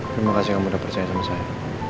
terima kasih kamu sudah percaya sama saya